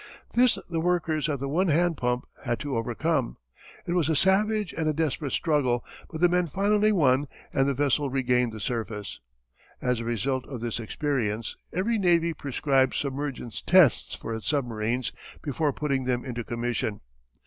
This the workers at the one hand pump had to overcome. It was a savage and a desperate struggle but the men finally won and the vessel regained the surface. As a result of this experience every navy prescribed submergence tests for its submarines before putting them into commission.